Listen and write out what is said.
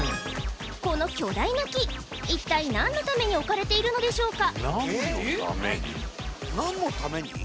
この巨大な木一体何のために置かれているのでしょうか何のために？